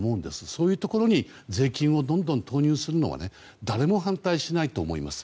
そういうところに税金をどんどん投入するのは誰も反対しないと思います。